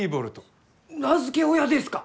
名付け親ですか！？